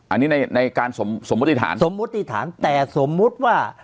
อันนี้ในในการสมสมมติฐานสมมุติฐานแต่สมมุติว่า